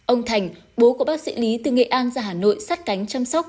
ông thành bố của bác sĩ lý từ nghệ an ra hà nội sát cánh chăm sóc